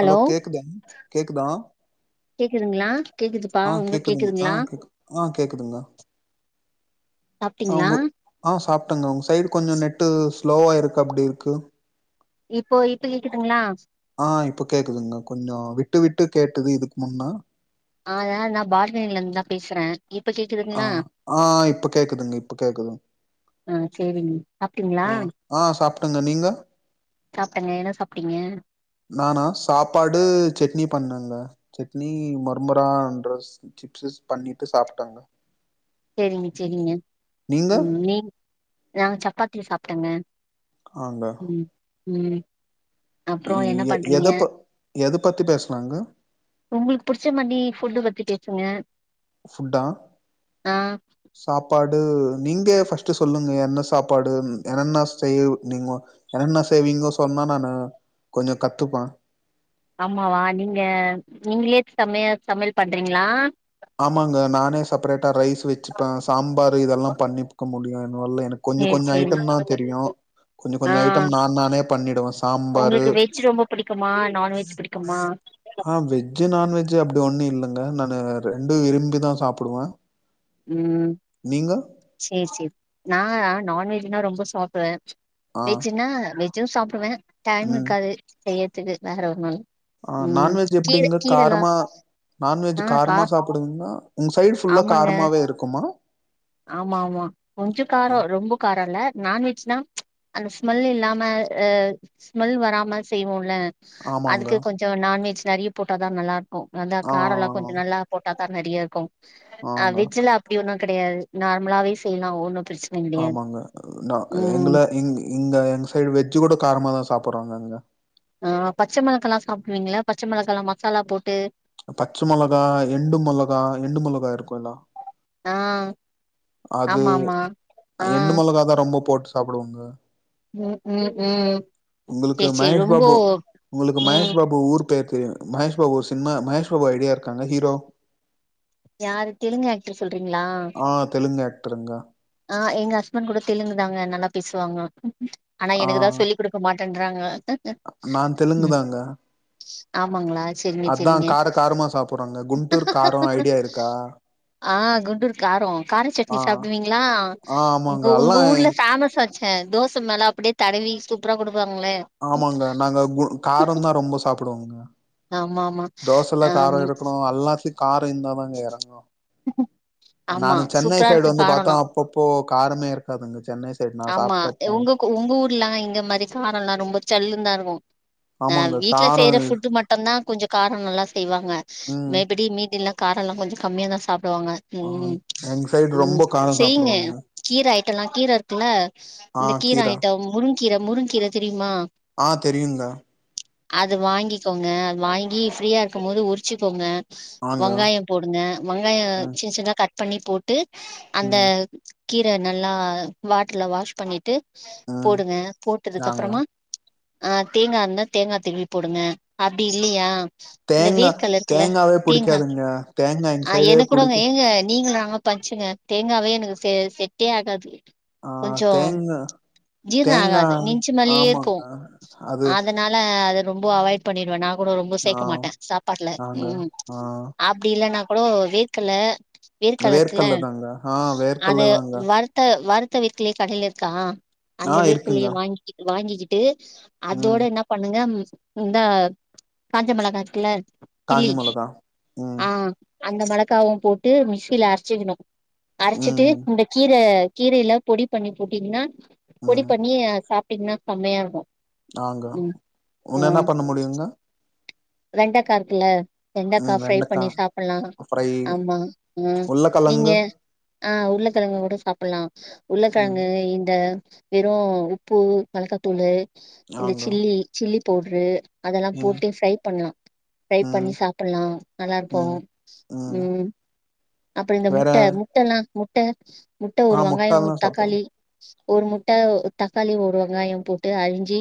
Hello கேக்குதாங் கேக்குதா கேக்குதுங்களா கேக்குதுப்பா அஹ் உங்களுக்கு கேக்குது கேக்குதுங்களா அஹ் கேக்கு அஹ் கேக்குதுங்களா சாப்ட்டீங்களா அவுங்கோ அஹ் சாப் தங்கோ உங்க சைடு கொஞ்சோ நெட்டு ஸ்லோவா இருக்காபடி இருக்கு இப்போ இப்ப கேக்குதுங்களா அஹ் இப்பக் கேக்குதுங்க கொஞ்சோ விட்டு விட்டு கேட்டுது இதுக்கு முன்ன அஹ் இத நா ஃபால்கனில இருந்து தா பேசற ஆ ஆ இப்ப கேக்குதுங்க இப்ப கேக்குது ஆ சேரிங்க சாப்ட்டீங்களா ஆ ஆ சாப்டங்க நீங்க சாப்ட்டேங்க என்ன சாப்ட்டீங்க நானா சாப்பாடு சட்னி பண்ணங்க சட்னி [unintelligible] பண்ணிட்டு சாப்ட்டங்க சேரிங்க சேரிங்க நீங்க ம் நீ நா சப்பாத்தி சாப்டங்க ஆ ங்க ம் அப்றம் என்ன பண்றீங்க எது பத்தி பேசுனாங்க உங்களுக்கு புடிச்ச [unintelligible] ஃபுட்டு பத்தி பேசுங்க ஃபுட்டா ஆ சாப்பா டு நீங்கே ஃபஸ்ட்டு சொல்லுங்க என்ன சாப்பாடு எனனென்ன செய்வ் நீங்க என்னென்ன செய்வீங்கோ சொன்னா நா கொஞ்ச கத்துப்பே அம்மாவா நீங்ளே நீங்கிளே சமையா சமயல் பண்றீங்களா ஆமாங்க நானே செப்ரேட்டா ரைஸ் வச்சுப்பே சாம்பாரு இதுயெல்லா பண்ணிக்க முடியூ என் அ இல்ல எனக்கு கொஞ்ச சேரி கொஞ்ச சேரி ஐட்டம் தா தெரியு கொஞ்ச ஆ கொஞ்ச ஐட்டம் நான் நானே பண்ணிடுவே சாம்பாரு உங்களுக்கு வெஜ் ரொம்ப புடிக்குமா நான்வெஜ் புடிக்குமா ஆ வெஜ் வெஜ் நான்வெஜ் அப்டி ஒன்னுல்லங்க நானு ரெண்டூ விரும்பி தா சாப்டுவே ம் சேர் செரி நா அ நான்வெஜ்னா ரொம்ப சாப்பிடுவ ஆ வெஜ்னா வெஜ் ஜுஸ் சாப்பிடுவ டைம் இக்காது செய்றதுக்கு வேற ஒன்னுல்ல ஆஹ் நான்வெஜ் எப்படிங்க காரமா நான்வெஜ் ஆ கா காரமா சாப்பிடுவீங்களா உங்க சைடு ஃபுல்லா காரமாவே இருக்குமா ஆமாமா கொஞ்சோ அ காரோ ரொம்ப காரோ இல்ல நான்வெஜ்னா ப்ச் அந்த ஸ்மெல் இல்லாம அஹ் ஸ்மெல் வராம செய்வோல்ல ஆமாங்க. அதுக்கு கொஞ்சோ நான்வெஜ் நெறயா போட்டாதா நல்லா இருக்கு ஓ அதா ஆ காரோ கொஞ்சோ நல்லா போட்டா [unintelligible] நெறயா இருக்கு அஹ் ஆங்க. வெஜ்ல அப்படி ஒன்னு கெடையாது நார்மலாவே செய்யலா ஒன்னு பிரச்சன கெடையாது ஆமாங்க நா ம் எங்கள இங் இங்க எங்க சைடு வெஜ்ஜு கூட காரமாதா சா சாப்பிடுறாங்கங்க ஆஹ் பச்ச மிளகெல்லா சாப்பிடுவீங்கலா பச்ச மிளகெல்லா மசாலா போட்டு பச்ச மிளகா எண்டு மிளகா எண்டு மிளகா இருக்குல்ல ஆஹ் அது ஆ எண்டு மிளகாதா ரொம்ப போட்டு சாப்பிடுவோங்க உம் உம் உம் உங்களுக்கு மகேஷ பாபு உங்களுக்கு மகேஷ ம் பாபு ஊர் பேர் தெரியு மகேஷ் பாபு ஒரு சினிமா மகேஷ் பாபு ஐடியா இருக்காங்க ஹீரோ யாரு தெலுங்கு ஆக்டர சொல்றீங்களா லுங்கா ஆஹ் எங்க ஹஸ்பண்ட் கூட தெலுங்குதாங்க நல்லா பேசுவாங்க ஆனா எனக்குதான் சொல்லி கொடுக்க மாட் ன்டராங்கா நா தெலுங்குதாங்க ஆமாங்களா சேரிங்க சேரிங்க காரமா சாப்புட்றாங்க. குண்டூர் காரம் ஐடியா இருக்கா? ஆஹ் குண்டூர் காரம் கார சட்னி ஆ சாப்பிடுவீங்களா ஆ உங்க ஆமாங்க. உங்க அல்லா எங் ஊர்ல ஃபேமஸ் ச்சே தோச மேல அப்டியே தடவி சூப்பரா கொடு ஆமாங்க நாங்க கு காரம் தான் ரொம்ப சாப்புடுவோ ஆமா ஆமா தோசைல்லா ஆம் காரம் இருக்கணு ல்லாத்தி பே இந்த இறங்கு ஆமா நான சென்னை சூப்பரா சைடு இருக்கு வந்து பார்த்தோ அப்பப்போ காரமே இருக்காது ஆம்மா உங்கு உங்க உங்க ஊர்லாம் இங்க மாரி காரல்லா ரொம்ப சல்லு தான் இருக்கு நா ஆமாங்க வீட்ல காரோ செய்யற ஃபுட்டு மட்டுதா கொஞ்சோ காரம் நல்ல செய்வாங்க ம் மெ படி மீடில்லா காரல்லா கொஞ்ச கம்மியா தான் ச ப்பிடுவாங்க ஆ ம் எங்க சைடு உ ரொம்ப காரோ செய்ங்க சாப்டுவாங்க கீர ஆயிட்டல்லா கீர என்ன ஆ இந்த கீர கீரா ஐட்டம் முரு கீரை முருங்கீரை தெரியுமா ஆஹ் தெரியுங்க அது வாங்கிக்கோங்க அது வாங்கி ஃப்ரீயா இருக்கும் போது உரிச்சுக்கோங்க ஆங்க வெங்காயோ போடுங்க வெங்காயோ ம் சின்ன சின்னா கட் பண்ணி போட்டு அந்த ம் கீர நல்லா வாட்ர்ல வாஷ் பண்ணிட்டு ம் போடுங்க போட்டதுக்கு ஆங்க கப்றோமா ஆஹ் தேங்கா இருந்தா தேங்கா திருவி போடுங்க அப்டி இல்லயா இந்த தேங்கா வெர்கல்ல இருக்குல தேங்காவே தேங்கா புடிக்காதுங்க தேங்கா எங்க ஆஹ் சைடே என கூடங்க புடிக்கு ஏங்க நீங்கள நாங்க பஞ்ச்சுங்க தேங்காவே எனக் செ செட்டே ஆகது ஆ கொஞ்ச தேங்கா ஜீரண தேங்கா ஆகாது நெஞ்சமல்லியே இருக்கும் ஆமாங்க அது அதனால அது ரொம்ப அவாய்ட் பண்ணிறுவேன் நா கூட ரொம்ப ஆ சேர்க்க மாட்டே சாப்பாட்டுல நாங்க உம் ஆ அப்டி இல்ல நா கூட வேக்கல வேர்கல இருக்குல வேர்க்கல்ல தாங்க ஆ வேர்க்கல்ல அது தாங்க வர்த வ றுத்த வீ்கலே கடையில இருக்கா ஆ அந்த இருக்குங்க வேர்கலயே வாங்கிட்டு வாங்கி இட்டு அதோட ம் என்ன பண்ணுங்க இந்த காஞ்ச மிளகா இருக்குல காஞ்ச மிளகா உம் அந்த மிளாக்காவ போட்டு மிஸ்ஸில அரைச்சுக்கணும் அரைச்சிட்டு ம் இந்த கீரை கீரேல பொடி பண்ணி போட்டீங்கன்னா பொடி ம் பண்ணி சாப் டின்னா சமையா இருக்கும் ஆங்க ஒன்னு என்ன பண்ண முடியுங்க வெண்டக இருக்குல ம் வெண்டக்காய் ஃப்ரை வெண்டக்கா பண்ணி சாப்பலாம் ஃப்ரை ஆமா ஆஹ் நீங்க உருளக்கெழங்கு ஆஹ் உருளக்கிழங்க கூட சாப்லாம் ம் உருளகிழங்கு இந்த வெறும் உப்பு மொலக்கா தூளு இந்த ஆங்க சிள்ளி சிள்ளி போடுறு அதெல்லாம் ம் போட்டி ஃப்ரை பண்ணலாம் ஃரை பண்ணி ம் சாப்லாம் நல்லா இருப்போம் ம் ம் உம் அப்புறம் இந்த வேற முட்டை முட்டைல்லாம் ட முட்டை ஒரு ஆ வெங்காயம் முட்டல்லா சாப்டுவோங்க தக்காளி ஒரு முட்டை தக்காளி ஒரு வெங்காயம் போட்டு அரிஞ்சி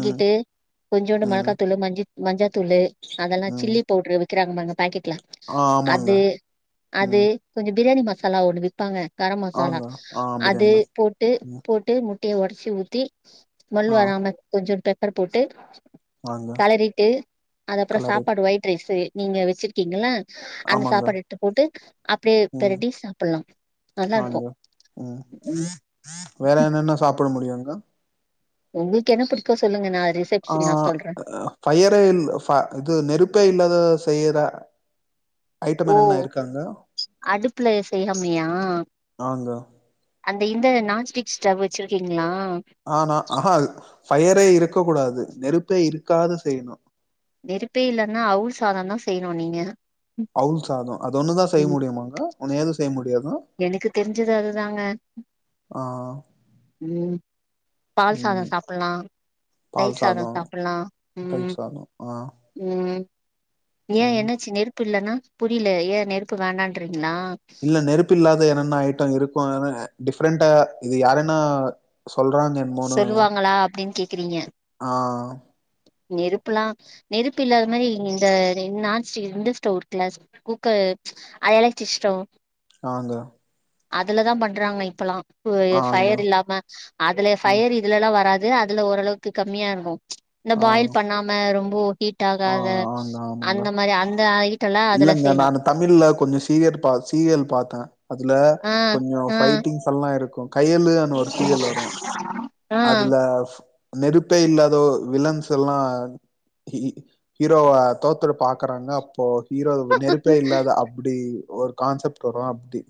ம் கொஞ்சோண்டு ம் மிளக்காத்தூள் மஞ்ச மஞ்சதூளு அதெல்லாம் ம் சிள்ளி பவுடரு விக்றாங்க பாக்கெட்ல ஆ ஆமாங்க அது அது ம் கொஞ்சோ பிரியாணி மசாலா ஒன்னு விப்பாங்க கரம் மசாலா ஆங்க ஆ அது பிரியாணி ம போட்டு ம் போட்டு முட்டைய ஒடசு ஊதி ஸ்மல் ஆ வரமா கொஞ்சோ டக் [unintelligible] போட்டு ஆங்க கலரிட்டு அது அப்பறோ கலரு சாப்பாடு ஒயிட் ரைஸு நீங்க வெச்சிருக்கீங்களா அந்த ஆமாங்க சாப்பாடு எத்ட்டு போட்டு அப்டியே ம் பெரட்டி சாப்பிட்லா நல்லா இருக்கு ஆங்க வேற என்னென்ன சாப் போட முடியுங்க உங்களுக்கு என்ன பிடிக்கூ சொல்லுங்க நா ரிசப்ஷன் நா ஆஹ் சொல்றே ஃபயரே இல் இது நெருப்பே இல்லாத பெயரா ஓ அடுப்புல செய்யாமய்யா அங்க அந்த இந்த நான்ஸ்டிக்ஸ் ஸ்டவு வச்சிருக்கீங்களா ஆனா அஹா அது ஃபயரே இருக் இருக்க கூடாது நெருப்பே இருக்காத செய்யணும் நெறுப்பே இல்லன்னா அவுள் சாதொ தா செய்யணு நீங்க அவுல் சாதொ அது ஒன்னு தா செய்ய ம் முடியுமாங்க ஒன்னு ஏது செய்ய முடியாதா எனக்கு தெரிஞ்சது அதுதாங்க ஆ உம் உம் பால் சாதொ ம் சாப்பிட்லா தைர் பால் சாதொ சாதோ சாப்பிட்லா உம் தயிர் சாதோ ஆ உம் ஏன் ம் என்னாச்சு நெருப்பு இல்லனா புரியில ஏ நெருப்பு வேண்டான்ரிங் நா இல்ல நெருப்பு இல்லாத என்னென்ன ஐட்டம் இருக்கும் டிஃப்ரெண்டா இது யாருனா சொல்லுவாங்களா அப்டின்னு கே க்குறீங்க ஆஹ் நெருப்புல்லாம் நெருப்பு இல்லாத மாரி இந்த நான்ஸ்டிக் இந்த ஸ்டவ் இருக்குல குக்கர் [unintelligible] ஆங்க அதுலதா பண்றாங்க இப்பொல்லா ஆங்க ஃபயர் இல்லாம அதுல ம் பயர் இதுலல்லா வரா து அதுல ஓரளவுக்கு கம்மியா இருக்கு ப்ச் இந்த ஆ பாயில் பண்ணாம ரொம் போ ஹீட் ஆ ஆகாத ஆங்க ஆமாங்க அந்த மாரி அந்த ஐட்டல்லா அதுல இல்லங்க செய்யலா நானு தமிழ்ல கொஞ்சோ சீரியல் பா சீரியல் பார்த்தே அதுல லா ஆ கொஞ்சோ ஆ ஃபைட்டிங்ஸ் எல்லா இருக்கூ கையளுனு ஒரு சீரியல் வரொ ஆ அதுல நெருப்பே இல்லாதோ வில்லன்ஸ் எல்லா ஹீரோவ தோத்த பாாரக்குறாங்க அப்போ ஈரோ நெருப்பே இல்லாத அப்டி ஒரு கான்செப்ட் வரு அப்டி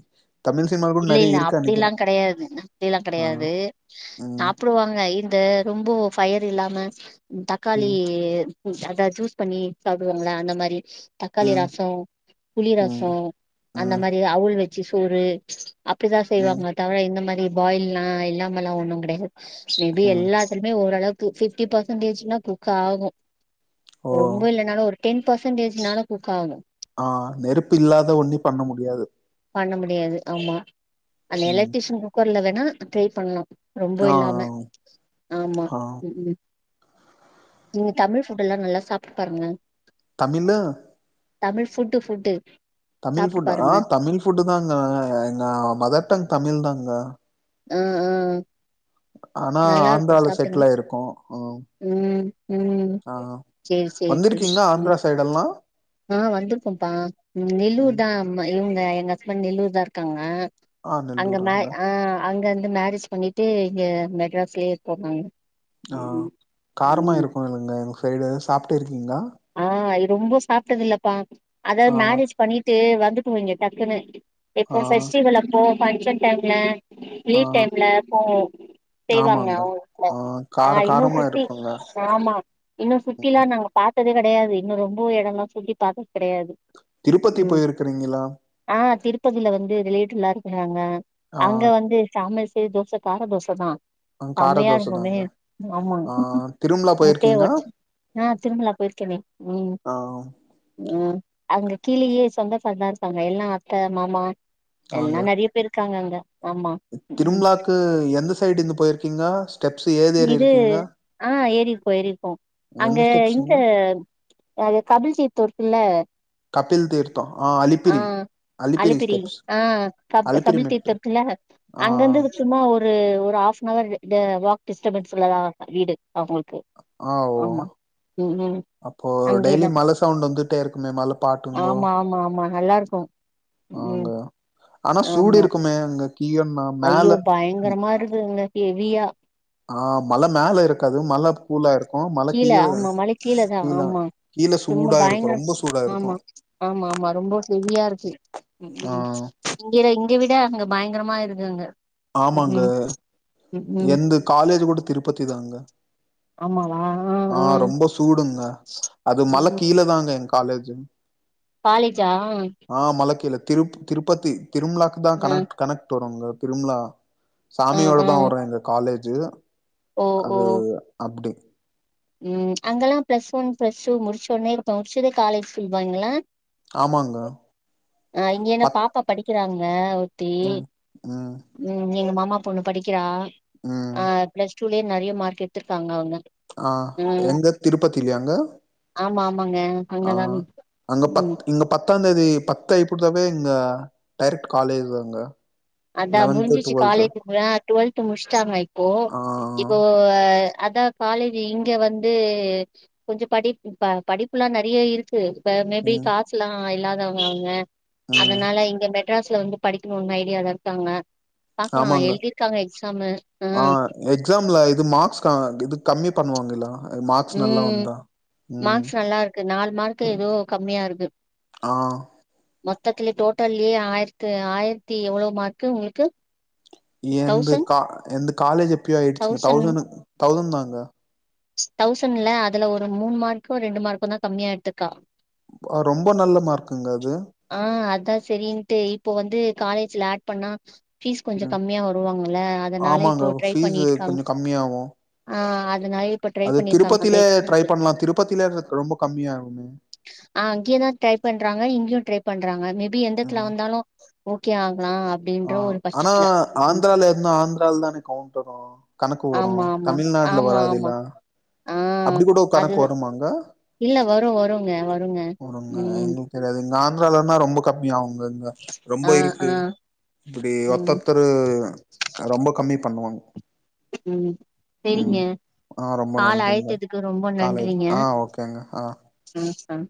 தமிழ் சினிமால கூட இல்ல இல்ல நெறைய இருக்கு அப்டில்லா நெனைக்கிறே கெடையாது அப்டி எல்லா ஆ கெடையாது ம் சாப்டுவாங்க இந்த ரொம்ப ஃயர் தில்லாம தக்காளி ம் அத ஜூஸ் பண்ணி சாடுவாங்களா அந்த மாரி தக்காளி ம் ரசோ புளி ம் ரசோ அந்த ம் மாரி ஆவுல் வச் ச்சி சோறு [inaudible] அப்டிதான் ம் செய்வாங்க தவிர இந்த மாரி பாயில்லா இல்லாமலா ஒண்ணு கெடையாது மேபி ம் எல்லாத்துலுமே ஓரளவு பி ஃபிப்டி பர்சன்டேஜ்னா குக் ஆகு ஓ ரொம்ப இல்லனாலு ஒரு டென் பர்சன்டேஜ்னால குக் ஆகூ ஆ நெருப்பு இல்லாத ஒண்ணி பண்ண முடியாது பண்ண முடியாது ஆமா அந்த ம் எலக்டிசன் கூக்கர் ந ட்ரை பன்னோ ரொம்ப ஆ இல்லாம ஆமா ஆ உம் நீங்க தமிழ் ஃபுட் எல்லா நல்லா சாப்டு பாருங்லே தமினா தமிழ் ஃபுட்டு ஃபுட்டு தமிழ் சாப்ட்டு ஃபுட் ஆ பாருங்க தமிழ் ஃபுட்டு் தாங்க எ நா மதர்டங் தமிழ் தாங்க உம் உம் ஆனா நல்லா இருக்கு ஆந்திரால சாப்பிடுங்க செட்டில் ஆயிருக்கோ ம் உம் உம் ஆ சேரி சேரி சேரி வந்திருக்கீங்க ம் ஆந்திரா சைடெல்லா ஆ வந்திருப்போம்ப்பா நெலு ம் தான்ம் இங் அ எங்க ஹஸ்பண்ட் நெல்லூர் தான் இருக்காங்க ஆ அங்க மே நெல்லூராங்க அ அங்கந்து மேரேஜ் பண்ணிட்டு இங்க மெட்ராஸ்ல்யே போவாங் ஆ கார்மா இருக்குல்வெங்காய் ப்ரைட்டு சாப்டு இருக் ரொம்போ சாப்ட்டதில்லப்பா ஆ அதாவ் மேரேஜ் பண்ணிட்டு வந் வந்துட்டுங்கு ங்க டக்குன்னு எப்போ ஆ பெஸ்டிவல் அப்போ பன்க்ஷன் டைம்ல ஆ லீவ் டைம்ல போவோ செய்வாங்க ஆமாங்க அவங் குட ஆ கார ஆஹ் இன்னு காரமா சுத்தி இருக்குங்க ஆமா இன்னு ம். சுத்திலா நாங் பாக் உட்டதே கெடயாது இன்னு ரொம்ப எடங்கொ சுத்தி பாக்கு கெடயாது திருப்பதி உம் போயிருக்கிறீங்களா ஆஹ் திருப்பதில வந்து ரிலேட்டிவ்லா இருக்குறாங்க ஆ அங்க வந்து சம [inaudible] தோச கார தோச தா கார தோச செம்மயாருக்குமே தாங்க உம் ஆமா ஆ திருமலா முட்டய போயிருக்கீங்க ஒட்ச்சு ஆஹ் [unintelligible] போய்ருகனே உம் ஆ உம் அங்க கீழயே சொந்த காரங்தா இருப்பாங்க எல்லா அத்த மாமா எல்லா ஆங்க நெறய பேரு காங்க அங்க ஆமா ம் திரும்லாக்கு எந்த சைட்ர்ந்து போய்ருக்கீங்க ஸ்டெப் இது ஆஹ் ஏரி இருக் போய்ருக்கோ அங்க எந்த இங்க ஸ்டெப்ஸுங்க அது கபில் [unintelligible] கப்பில் தீர் ஆஹ் அலிப்பிரி ஸ்டெப்ஸ் ஆஹ் கப் அலிப்பிரி கபில் மெட்டு தீர்த்ததுல ஆ அங்கருந்து சும்மா ஒ ரு ஒரு ஹாப்னவர் த வாக் டிஸ்டபன்ஸ்ல தா வீடு அவுங்களுக்கு ஆ ஓ ஆமா ம் ம் அப்போ டெய்லி அங்கேதா மல சவுண்ட் வந்துட் டே ருக்குமே மால ஆமா ஆமா ஆமா நல்லாருக்கும் அங்க ம் ஆனா ஆமா சூடிருக்குமே ஐயோ பய்ங்கரமா ருக்குங்க ஹெவியா ஆ மல மேல இருக்காது மல ஃபூலா இருக் கீழ ஆமா மல கீழ தா ஆமா கீழே ரொம்ப சூடா இருக்கும் பயங்கர ரொம்ப சூடா ஆமா இருக்கும் ஆமா ஆமா ரொம்ப ஹெவியாருக்கு ஆ ம் இங்கேர இங்க விட அங்க பய்ங்கரமா இருக்குங்க ம் ஆமாங்க ம் ம் ம் எந்த காலேஜ் கூட திருப்பதி தாங்க ஆமாவா ஆ ஆ ஆஹ் ரொம்ப சூடுங்க அது மல ம் கீழ தாங்க எங்க காலேஜ் காலேஜா ஆ மலை கீழ திருப் திருப்பதி திருமழாவுக்கு தா ஆ கனக்ட் கனெட் வருவங்க ரும்லா ஆ சாமியோட ஆ தா வரு எங்க காலேஜ் ஜு அது அப்டி உம் அங்கல்லா பிளஸ் ஒன் பிளஸ் டூ முடிச்ச உடனே இருப்ப முடிச்சதே காலேஜ் ல்வாங்களா ஆமாங்க ஆஹ் இங்க என்ன பத் பாப்பா படிக் க்கிறாங்க தே ம் ம் ம் எங் மாம் ம்மா பொண்ணு படிக்கிறா ம் ஆஹ் ப்ளஸ்ட் டூ ளே நெறைய மார்க் எடுத்ருக்காங்க அவங்க ஆஹ் ம் எங்க திருப்பதிலையாங்க ஆமா ஆமாங்க அங்கதாங்க ஆஹ் அங்க பத் ம் இங் பத்தா தேதி பத்து ஐப்புட்த்தாவே இங்க டேரக்ட் காலேஜ் தாங்க அதா லெவன்த்து முடிஞ்சிச்சு டுவெல்த்து காலேஜ் கூறா டுவெல்த் முடிச்சிட்டாங்க இப்போ ஆ இப்போ அதா காலேஜ் இங்க வந்து கொஞ்சோ படி படிப்புல்லாம் நறைய இருக்கு மேபி ம் காசலா இல்லா தவுங்க அவுங்க ம் அதனால இங்க மெ ட்ராஸ்ல வந்து படிக்கனுனு ஐடியாலா காங்க ஆமாங்க ஆ ஆஹ எக்ஸாம்ல இது மார்க்ஸ் இது கம்மி பண்ணுவாங்கள்ளா உம் மார்க்ஸ் நல்லா இருக்கு நாலு மார்க் ஏதோ கம்மியா இருக்கு ஆ த்லயே டோட்டல்லயே ஆயிரத்து ஆயிரத்தி எவ்வளவோ மார்க்கு உங்ளுக்கு ஏந்து கா எந் காலேஜ் ப் ப்டியாடுச்சுங்க தௌசண்ட் தௌசண் தௌசண்ட் தாங்க தௌசண்ட்ல அதுல ஒரு மூணு மார்க்கோ ரெண்டு மார்க்கோ தான் கம்மியாடுருக்கா ஆ ரொம்ப நல்ல மார்க்குங்க அது செரின்ட்டு இப்போ வந்து காலேஜ்ல ஆட் பண்ணா ப்பீஸ் கொஞ்சம் ம் கம்மியா வருவாங்கல்ல அதனால ஆமாங்க இப்போ ட்ரை ஃபீஸு பண்ணிருக்காங்க கொஞ்சோ கம்மியாவு ஆஹ அதுனால் ரை அது பண்ணிருக்காங்க அந்த திருப்பதில ட்ரை எக்சன்கு பண்லா திருப்பதில ரொம்ப கம்மியாகுமே ம்ம் அங்கயான் ட்ரை பண்றாங்கங்க இங்கயும் ட்றை பண்றாங்க வந்தாலும் ஓக்கே ஆங் ஆஹ் ஆனா ம், ஆந்திரால இருனா ஆ ஆனா ஆந்திரால ருந்தா ஆந்திரால தானே கவுண்ட் டு வரும் கணக்கு வரும் தமிழ்நாடுல வராதில்லா ஆஹ் அது இல்ல வரும் வரும் வருங்க வருங்க உம் ஆந்திராாலன்னா ரொம்ப கம்மிய ஆவுங் நந்தா ரொம்ப ஆ இருக்கு ஆ இப்புடி ம் ஒருத்தத்தரு ரொம்ப கம்மி பண்ணுவாங்க உம் ம் செரிங்க ஆ ரொம்ப கால் நன்றிங்க அழைத்ததுக்கு ரொம்ப காலைல நன்றிங்க ஆ ஓகேங்க ஆ ம் ம் ஹ